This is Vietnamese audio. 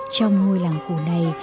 trong ngôi làng cổ này